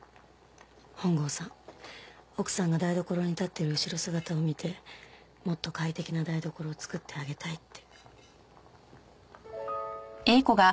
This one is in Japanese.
本郷さん奥さんが台所に立ってる後ろ姿を見てもっと快適な台所を作ってあげたいって。